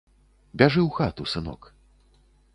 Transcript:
Бяжы ў хату, сынок.